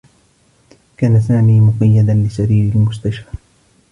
كان سامي مقيّدا لسرير المستشفى.